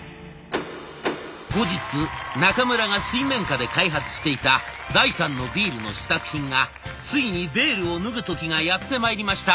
後日中村が水面下で開発していた第三のビールの試作品がついにベールを脱ぐ時がやってまいりました。